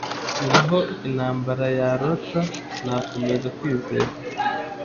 n’aho intambara yarota nakomeza kwizera